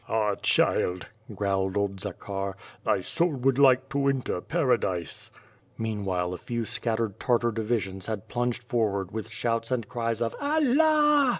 "Ha! child," growled old Zakhar, "thy soul would like to enter Paradise." Meanwhile a few scattered Tartar divisions had plunged forward with shouts and cries of "Allah!"